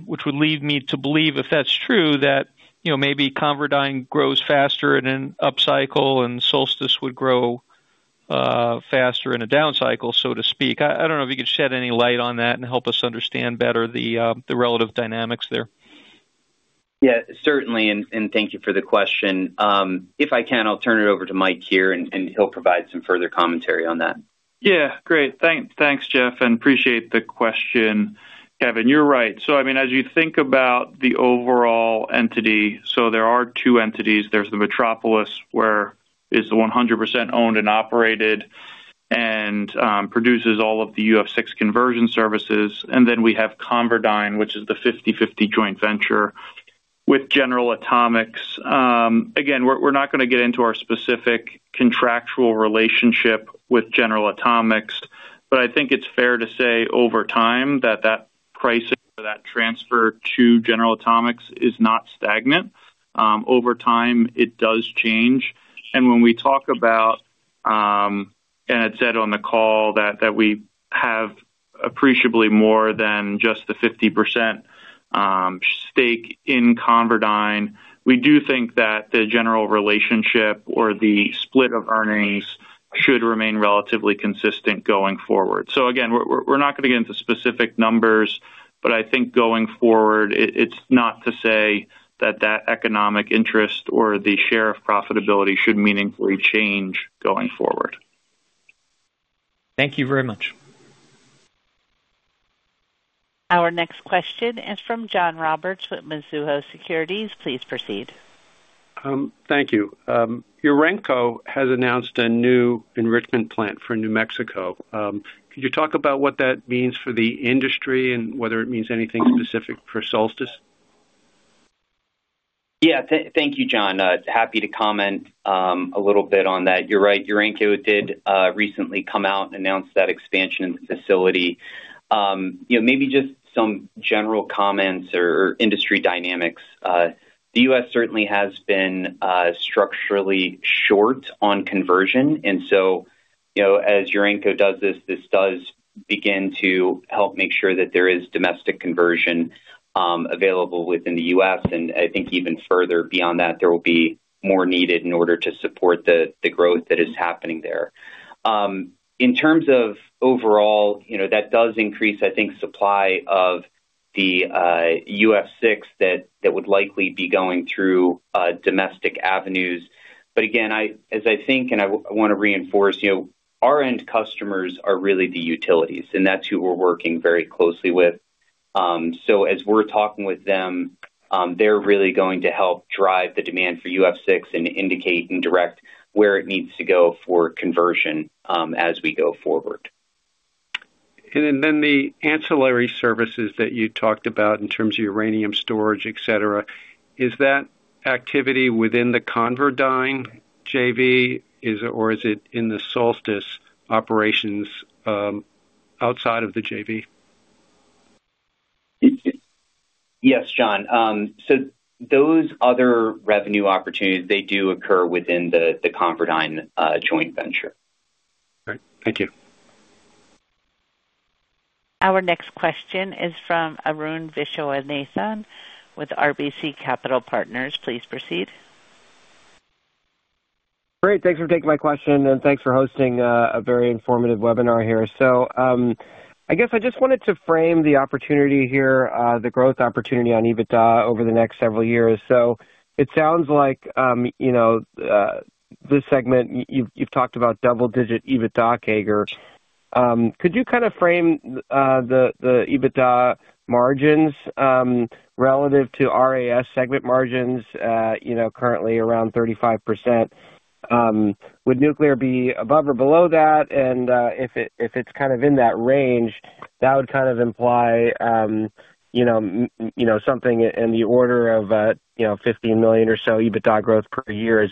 Which would lead me to believe, if that's true, that maybe ConverDyn grows faster in an upcycle and Solstice would grow faster in a down cycle, so to speak. I don't know if you could shed any light on that and help us understand better the relative dynamics there. Yeah, certainly. Thank you for the question. If I can, I'll turn it over to Mike here and he'll provide some further commentary on that. Yeah, great. Thanks, Jeff. Appreciate the question, Kevin. You're right. As you think about the overall entity, there are two entities. There's the Metropolis, where is the 100% owned and operated and produces all of the UF6 conversion services. We have ConverDyn, which is the 50/50 joint venture with General Atomics. Again, we're not going to get into our specific contractual relationship with General Atomics. I think it's fair to say, over time, that that pricing for that transfer to General Atomics is not stagnant. Over time, it does change. When we talk about and had said on the call, that we have appreciably more than just the 50% stake in ConverDyn, we do think that the general relationship or the split of earnings should remain relatively consistent going forward. Again, we're not going to get into specific numbers, but I think going forward, it's not to say that that economic interest or the share of profitability should meaningfully change going forward. Thank you very much. Our next question is from John Roberts with Mizuho Securities. Please proceed. Thank you. Urenco has announced a new enrichment plant for New Mexico. Could you talk about what that means for the industry and whether it means anything specific for Solstice? Thank you, John. Happy to comment a little bit on that. You're right. Urenco did recently come out and announce that expansion of the facility. Maybe just some general comments or industry dynamics. The U.S. certainly has been structurally short on conversion, as Urenco does this does begin to help make sure that there is domestic conversion available within the U.S. I think even further beyond that, there will be more needed in order to support the growth that is happening there. In terms of overall, that does increase, I think, supply of the UF6 that would likely be going through domestic avenues. Again, as I think, and I want to reinforce, our end customers are really the utilities, and that's who we're working very closely with. As we're talking with them, they're really going to help drive the demand for UF6 and indicate and direct where it needs to go for conversion as we go forward. Then the ancillary services that you talked about in terms of uranium storage, et cetera, is that activity within the ConverDyn JV or is it in the Solstice operations outside of the JV? Yes, John. Those other revenue opportunities, they do occur within the ConverDyn joint venture. Great. Thank you. Our next question is from Arun Viswanathan with RBC Capital Partners. Please proceed. Great. Thanks for taking my question and thanks for hosting a very informative webinar here. I guess I just wanted to frame the opportunity here, the growth opportunity on EBITDA over the next several years. It sounds like, this segment, you've talked about double-digit EBITDA CAGR. Could you kind of frame the EBITDA margins relative to RAS segment margins, currently around 35%? Would nuclear be above or below that? If it's kind of in that range, that would kind of imply something in the order of $15 million or so EBITDA growth per year.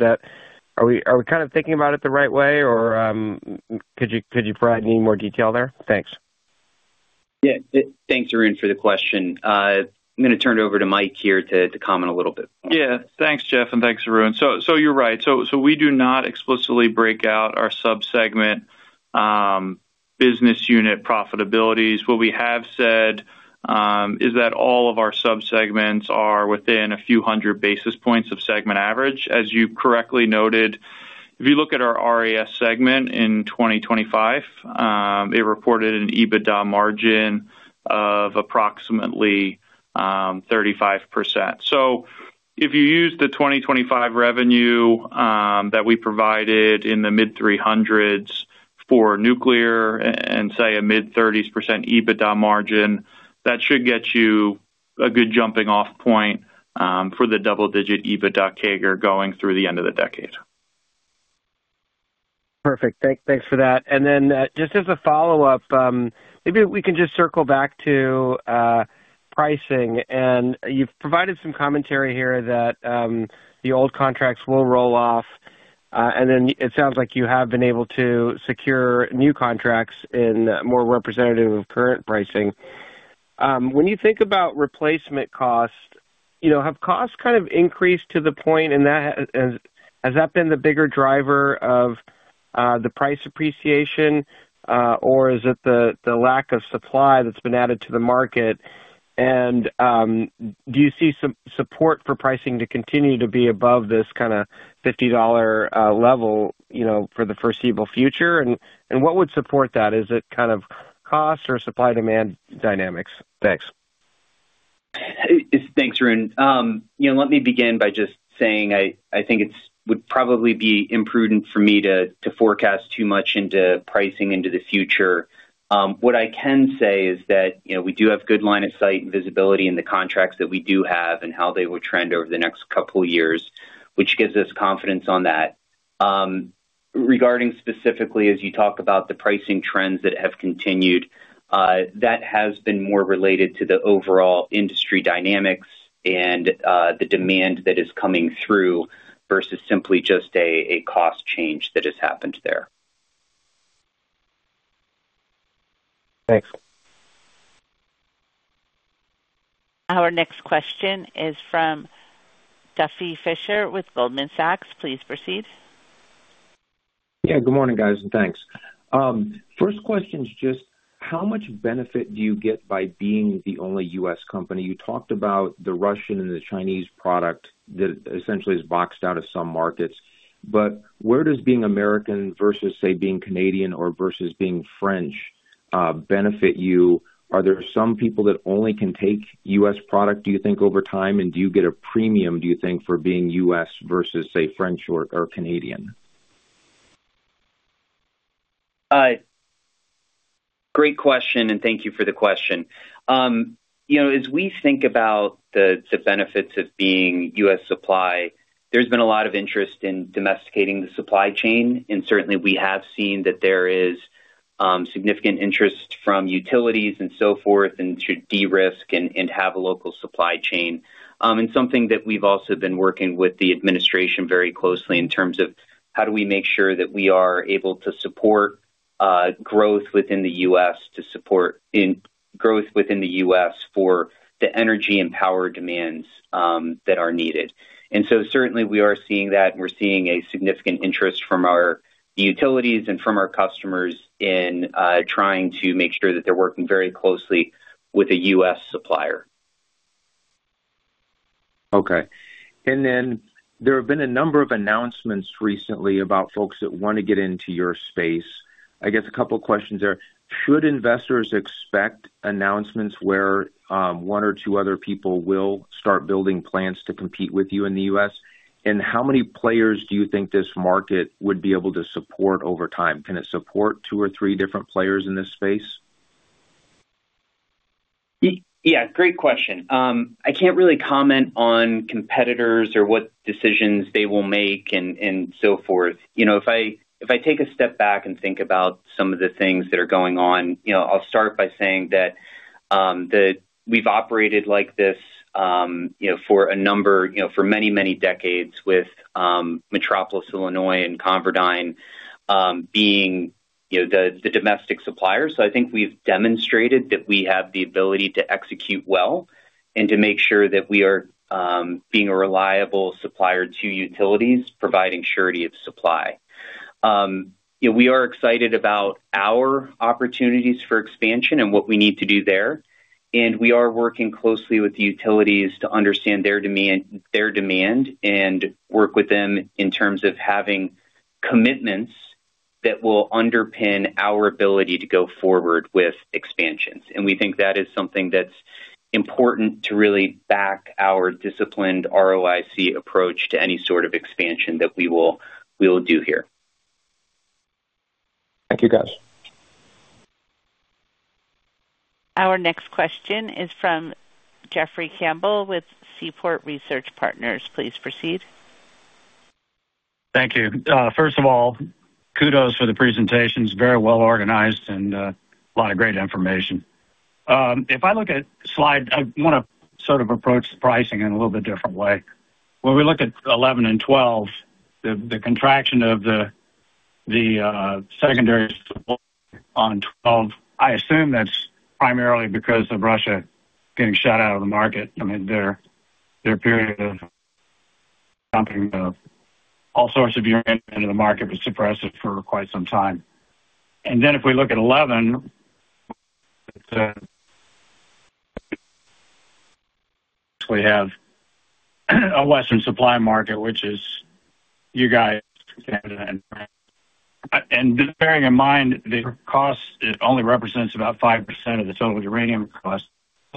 Are we kind of thinking about it the right way or could you provide any more detail there? Thanks. Yeah. Thanks, Arun, for the question. I'm going to turn it over to Mike here to comment a little bit. Yeah. Thanks, Jeff, and thanks, Arun. You're right. We do not explicitly break out our sub-segment business unit profitabilities. What we have said is that all of our sub-segments are within a few hundred basis points of segment average. As you correctly noted, if you look at our RAS segment in 2025, it reported an EBITDA margin of approximately 35%. If you use the 2025 revenue that we provided in the mid-300s for nuclear and say a mid-30s percent EBITDA margin, that should get you a good jumping-off point for the double-digit EBITDA CAGR going through the end of the decade. Perfect. Thanks for that. Then just as a follow-up, maybe we can just circle back to pricing. You've provided some commentary here that the old contracts will roll off. Then it sounds like you have been able to secure new contracts in more representative of current pricing. When you think about replacement cost, have costs kind of increased to the point, and has that been the bigger driver of the price appreciation or is it the lack of supply that's been added to the market? Do you see some support for pricing to continue to be above this kind of $50 level for the foreseeable future? What would support that? Is it kind of cost or supply-demand dynamics? Thanks. Thanks, Arun. Let me begin by just saying I think it would probably be imprudent for me to forecast too much into pricing into the future. What I can say is that we do have good line of sight and visibility in the contracts that we do have and how they will trend over the next couple of years, which gives us confidence on that. Regarding specifically, as you talk about the pricing trends that have continued, that has been more related to the overall industry dynamics and the demand that is coming through versus simply just a cost change that has happened there. Thanks. Our next question is from Duffy Fischer with Goldman Sachs. Please proceed. Yeah, good morning, guys, and thanks. First question is just how much benefit do you get by being the only U.S. company? You talked about the Russian and the Chinese product that essentially is boxed out of some markets. Where does being American versus, say, being Canadian or versus being French benefit you? Are there some people that only can take U.S. product, do you think, over time, and do you get a premium, do you think, for being U.S. versus, say, French or Canadian? Great question and thank you for the question. As we think about the benefits of being U.S. supply, there's been a lot of interest in domesticating the supply chain. Certainly, we have seen that there is significant interest from utilities and so forth and to de-risk and to have a local supply chain. Something that we've also been working with the administration very closely in terms of how do we make sure that we are able to support growth within the U.S. for the energy and power demands that are needed. Certainly, we are seeing that and we're seeing a significant interest from our utilities and from our customers in trying to make sure that they're working very closely with a U.S. supplier. Okay. There have been a number of announcements recently about folks that want to get into your space. I guess a couple of questions there. Should investors expect announcements where one or two other people will start building plants to compete with you in the U.S.? How many players do you think this market would be able to support over time? Can it support two or three different players in this space? Yeah, great question. I can't really comment on competitors or what decisions they will make and so forth. If I take a step back and think about some of the things that are going on, I'll start by saying that we've operated like this for many, many decades with Metropolis, Illinois, and ConverDyn being the domestic suppliers. I think we've demonstrated that we have the ability to execute well and to make sure that we are being a reliable supplier to utilities, providing surety of supply. We are excited about our opportunities for expansion and what we need to do there, and we are working closely with the utilities to understand their demand and work with them in terms of having commitments that will underpin our ability to go forward with expansions. We think that is something that's important to really back our disciplined ROIC approach to any sort of expansion that we will do here. Thank you, guys. Our next question is from Jeffrey Campbell with Seaport Research Partners. Please proceed. Thank you. First of all, kudos for the presentations. Very well organized and a lot of great information. If I look at slide, I want to sort of approach the pricing in a little bit different way. When we look at 11 and 12, the contraction of the secondary supply on 12, I assume that's primarily because of Russia getting shut out of the market. I mean, their period of dumping all sorts of uranium into the market was suppressed for quite some time. Then if we look at 11, we have a Western supply market, which is you guys, Canada, and France. Bearing in mind the cost, it only represents about 5% of the total uranium cost.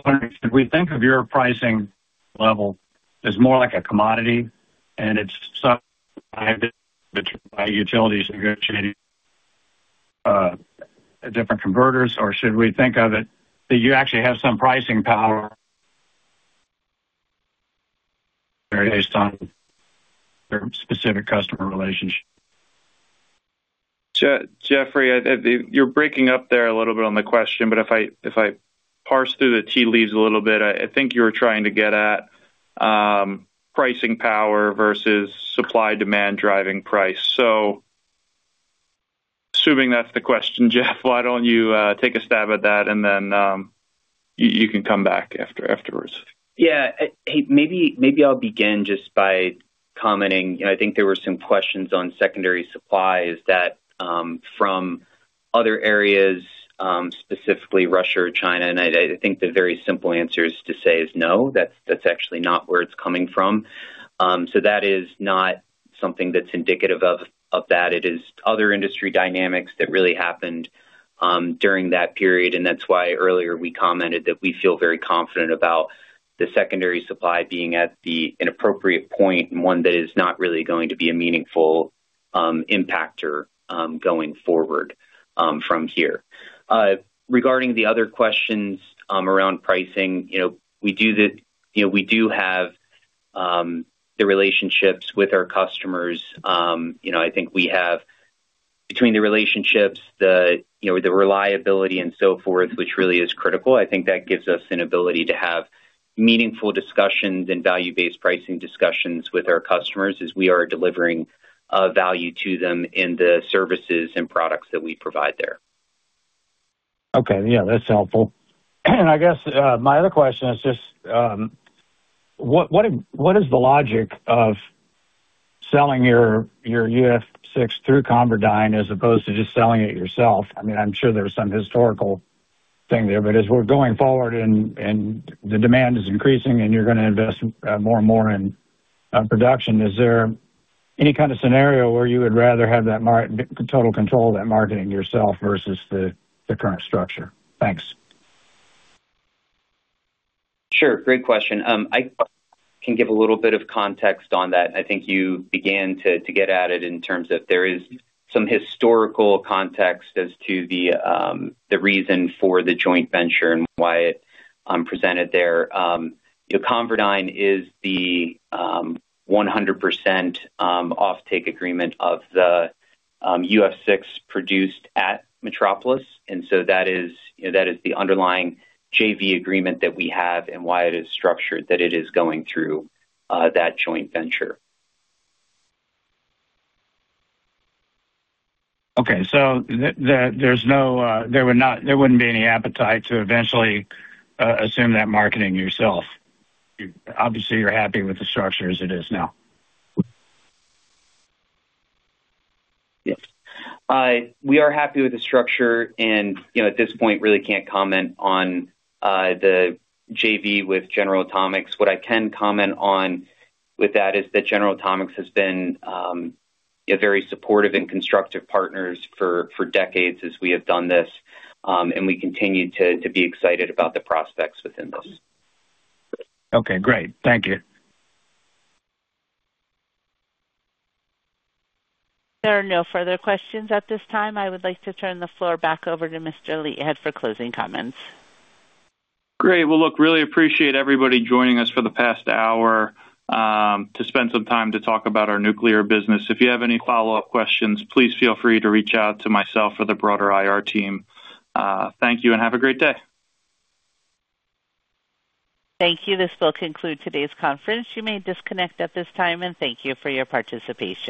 Should we think of your pricing level as more like a commodity and it's supplied by utilities negotiating different converters or should we think of it that you actually have some pricing power based on your specific customer relationship? Jeffrey, you're breaking up there a little bit on the question, but if I parse through the tea leaves a little bit, I think you were trying to get at pricing power versus supply-demand driving price. Assuming that's the question, Jeff, why don't you take a stab at that and then you can come back afterwards. Maybe I'll begin just by commenting. I think there were some questions on secondary supply. Is that from other areas, specifically Russia or China? I think the very simple answer is to say no, that's actually not where it's coming from. That is not something that's indicative of that. It is other industry dynamics that really happened during that period. That's why earlier we commented that we feel very confident about the secondary supply being at an appropriate point and one that is not really going to be a meaningful impactor going forward from here. Regarding the other questions around pricing, we do have the relationships with our customers. I think we have between the relationships, the reliability and so forth, which really is critical. I think that gives us an ability to have meaningful discussions and value-based pricing discussions with our customers as we are delivering value to them in the services and products that we provide there. Okay. Yeah, that's helpful. I guess my other question is just, what is the logic of selling your UF6 through ConverDyn as opposed to just selling it yourself? I'm sure there's some historical thing there. As we're going forward and the demand is increasing and you're going to invest more and more in production, is there any kind of scenario where you would rather have that total control of that marketing yourself versus the current structure? Thanks. Sure. Great question. I can give a little bit of context on that. I think you began to get at it in terms of there is some historical context as to the reason for the joint venture and why it presented there. ConverDyn is the 100% offtake agreement of the UF6 produced at Metropolis, and so that is the underlying JV agreement that we have and why it is structured that it is going through that joint venture. Okay. There wouldn't be any appetite to eventually assume that marketing yourself. Obviously, you're happy with the structure as it is now. Yes. We are happy with the structure and at this point, really can't comment on the JV with General Atomics. What I can comment on with that is that General Atomics has been very supportive and constructive partners for decades as we have done this and we continue to be excited about the prospects within this. Okay, great. Thank you. There are no further questions at this time. I would like to turn the floor back over to Mr. Leithead for closing comments. Great. Look, really appreciate everybody joining us for the past hour to spend some time to talk about our nuclear business. If you have any follow-up questions, please feel free to reach out to myself or the broader IR team. Thank you and have a great day. Thank you. This will conclude today's conference. You may disconnect at this time and thank you for your participation.